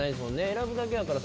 選ぶだけやから。